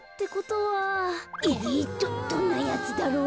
えどんなやつだろう。